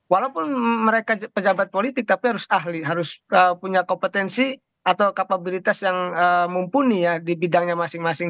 walaupun mereka pejabat politik tapi harus ahli harus punya kompetensi atau kapabilitas yang mumpuni ya di bidangnya masing masing